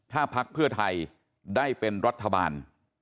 ถ้าพักเพื่อไทยได้เป็นรัฐบาล